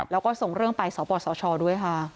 แล้วก็ส่งเรื่องไปสปสชด้วยค่ะ